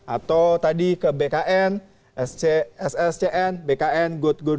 atau tadi ke bkn sscn bkn go